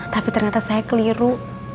tapi ternyata saya keliru